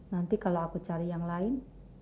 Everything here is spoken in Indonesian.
nanti kalau aku cari yang lain